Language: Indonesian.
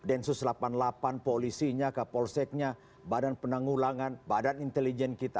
densus delapan puluh delapan polisinya kapolseknya badan penanggulangan badan intelijen kita